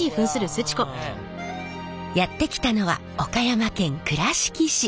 やって来たのは岡山県倉敷市。